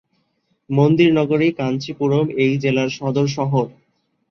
মন্দির-নগরী কাঞ্চীপুরম এই জেলার সদর শহর।